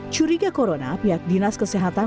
curiga corona pihak dinas kesehatan